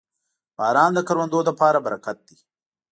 • باران د کروندو لپاره برکت دی.